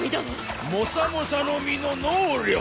モサモサの実の能力。